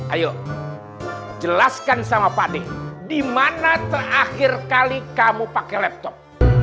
ayo jelaskan sama pakde dimana terakhir kali kamu pakai laptop